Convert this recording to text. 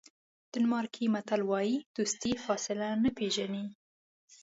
ډنمارکي متل وایي دوستي فاصله نه پیژني.